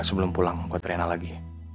sebelum pulang buat rena lagi